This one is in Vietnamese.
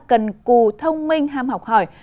cần cù thông minh ham học hỏi